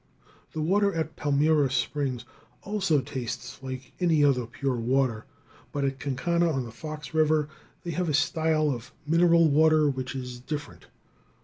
The water at Palmyra Springs also tastes like any other pure water, but at Kankanna, on the Fox River, they have a style of mineral water which is different.